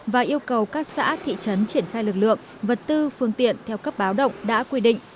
và yêu cầu các xã thị trấn triển khai lực lượng vật tư phương tiện theo cấp báo động đã quy định